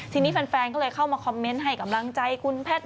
ทีนี้แฟนก็เลยเข้ามาคอมเมนต์ให้กำลังใจคุณแพทย์